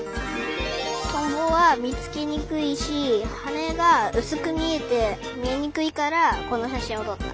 トンボはみつけにくいしはねがうすくみえてみえにくいからこのしゃしんをとった。